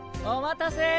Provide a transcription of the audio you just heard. お待たせ。